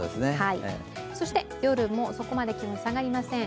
そして夜もそこまで気温が下がりません。